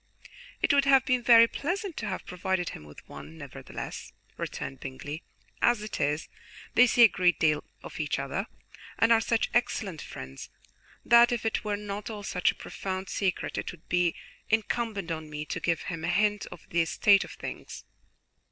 "It would have been very pleasant to have provided him with one, nevertheless," returned Bingley. "As it is, they see a great deal of each other, and are such excellent friends, that if it were not all such a profound secret it would be incumbent on me to give him a hint of the state of things."